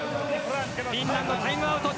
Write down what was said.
フィンランド、タイムアウト。